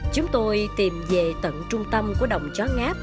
chúng tôi tìm về tận trung tâm của đồng chó ngáp